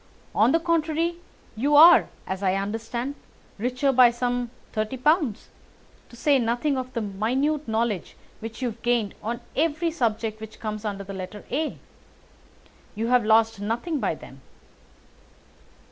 On the contrary, you are, as I understand, richer by some £ 30, to say nothing of the minute knowledge which you have gained on every subject which comes under the letter A. You have lost nothing by them."